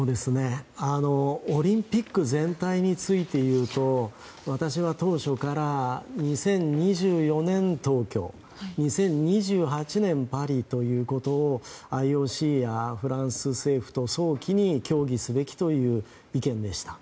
オリンピック全体について言うと私は当初から２０２４年東京２０２８年パリということをＩＯＣやフランス政府と早期に協議すべきという意見でした。